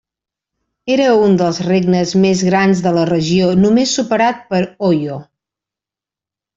Era un dels regnes més grans de la regió, només superat per Oyo.